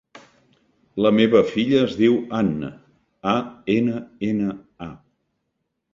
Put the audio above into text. La meva filla es diu Anna: a, ena, ena, a.